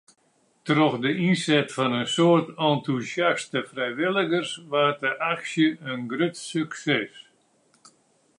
Troch de ynset fan in soad entûsjaste frijwilligers waard de aksje in grut sukses.